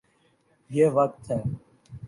یہ وقت ہے۔